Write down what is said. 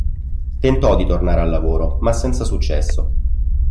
Tentò di tornare al lavoro, ma senza successo.